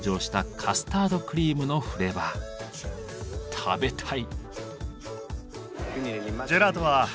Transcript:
食べたい！